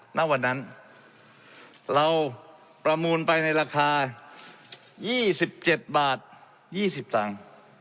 ณวันนั้นเราประมูลไปในราคา๒๗บาท๒๐ตังค์